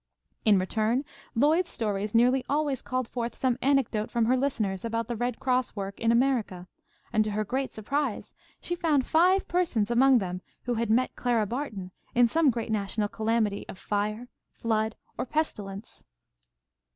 In return Lloyd's stories nearly always called forth some anecdote from her listeners about the Red Cross work in America, and to her great surprise she found five persons among them who had met Clara Barton in some great national calamity of fire, flood, or pestilence.